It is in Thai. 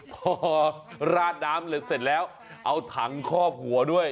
พอราดน้ำเหลืองเสร็จแล้วเอาถังคอบหัวด้วย